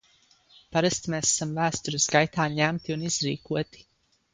Parasti mēs esam vēstures gaitā ņemti un izrīkoti.